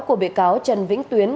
của bị cáo trần vĩnh tuyến